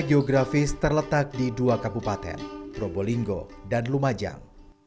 geografis terletak di dua kabupaten probolinggo dan lumajang